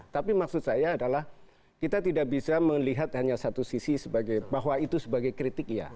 tapi maksud saya adalah kita tidak bisa melihat hanya satu sisi bahwa itu sebagai kritik iya